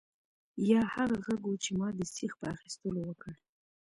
یا هغه غږ و چې ما د سیخ په اخیستلو وکړ